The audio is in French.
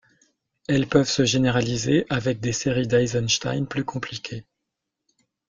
Elles peuvent se généraliser avec des séries d'Eisenstein plus compliquées.